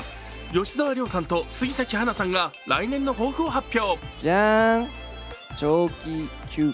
吉沢亮さんと杉咲花さんが来年の抱負を発表。